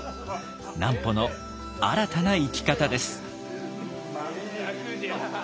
南畝の新たな生き方です。